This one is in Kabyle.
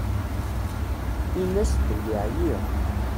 Inn-as belli ɛyiɣ.